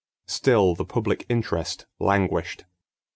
Still the public interest languished.